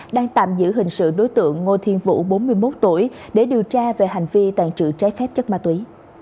đang tạm giữ hình sự đối tượng ngô thiên vũ bốn mươi một tuổi để điều tra về hành vi tàn trự trái phép chất ma túy